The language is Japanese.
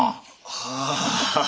はあ。